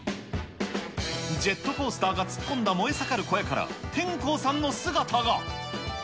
ジェットコースターが突っ込んだ燃え盛る小屋から、天功さんの姿が。